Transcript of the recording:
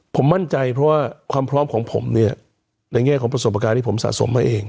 ผมมั่นใจเพราะว่าความพร้อมของผมเนี่ยในแง่ของประสบการณ์ที่ผมสะสมมาเอง